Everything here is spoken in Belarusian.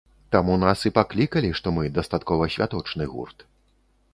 Таму нас і паклікалі, што мы дастаткова святочны гурт.